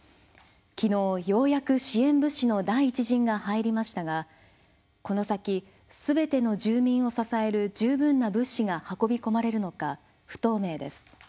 昨日ようやく支援物資の第１陣が入りましたがこの先すべての住民を支える十分な物資が運び込まれるのか不透明です。